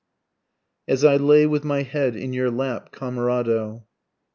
AS I LAY WITH MY HEAD IN YOUR LAP CAMERADO.